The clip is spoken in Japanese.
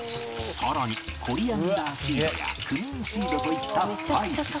さらにコリアンダーシードやクミンシードといったスパイス